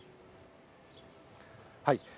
はい。